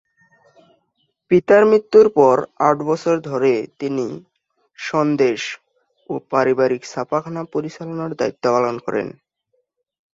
পিতার মৃত্যুর পর আট বছর ধরে তিনি "সন্দেশ" ও পারিবারিক ছাপাখানা পরিচালনার দায়িত্ব পালন করেন।